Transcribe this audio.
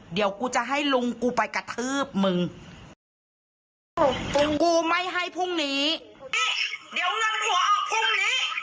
เดี๋ยวกูจะให้ลุงกูไปกระทืบมึงกูไม่ให้พรุ่งนี้เอ๊ะเดี๋ยวเงินหัวออกพรุ่งนี้